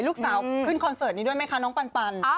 ลูกสาวขึ้นคอนเสิร์ตนี้ด้วยไหมคะน้องปัน